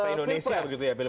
se indonesia begitu ya